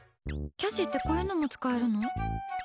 キャシーってこういうのも使えるの？